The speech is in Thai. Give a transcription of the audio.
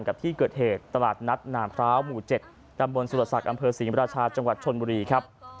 กับที่เกิดเหตุตลาดนัดนามพร้าวหมู่๗ตำบลสุรศักดิ์อำเภอศรีมราชาจังหวัดชนบุรีครับ